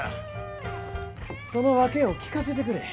その訳を聞かせてくれ。